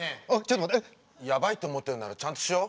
ねえやばいと思ってるならちゃんとしよう？